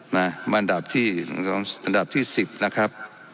มาอันดับที่อันดับที่๑๐นะครับ